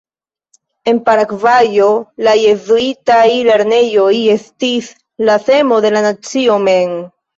En Paragvajo, la jezuitaj lernejoj estis la semo de la nacio mem.